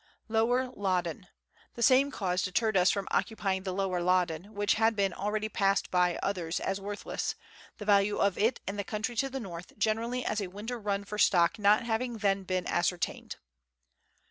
Lower Loddon. The same cause deterred us from occupying the Lower Loddon, which had been already passed by others as worthless, the value of it and the country to the north generally as a winter run for stock not having then been ascertained.